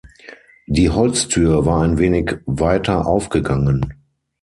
Die Holztür war ein wenig weiter aufgegangen.